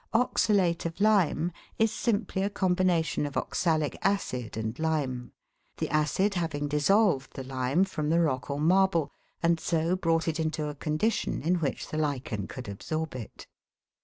Oxalate of lime is simply a combination of oxalic acid and lime ; the acid having dissolved the lime from the rock or marble, and so brought it into a condition in which the lichen could absorb it.